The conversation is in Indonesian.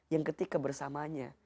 yang ketika bersamanya